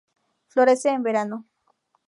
Florece en verano.